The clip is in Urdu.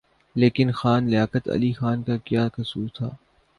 لیکن خان لیاقت علی خان کا کیا قصور تھا؟